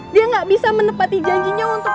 dia gak bisa menepati janjinya untuk